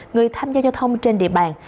người tham gia giao thông trên địa bàn